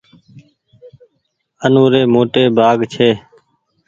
آ نوري موٽي ڀآگ ڇي۔